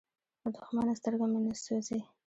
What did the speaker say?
له دښمنه سترګه مې نه سوزي.